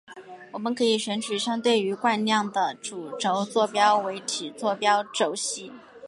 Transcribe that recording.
我们可以选取相对于惯量的主轴坐标为体坐标轴系。